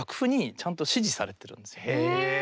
へえ。